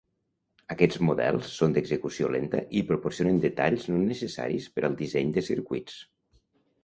Aquests models són d'execució lenta i proporcionen detalls no necessaris per al disseny de circuits.